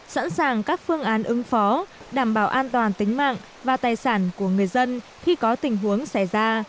sẵn sàng các phương án ứng phó đảm bảo an toàn tính mạng và tài sản của người dân khi có tình huống xảy ra